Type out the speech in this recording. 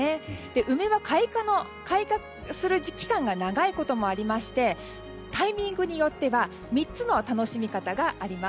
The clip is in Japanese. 梅は開花する期間が長いこともありましてタイミングによって３つの楽しみ方があります。